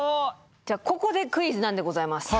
ここでクイズなんでございます。